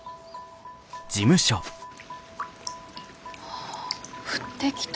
ああ降ってきた。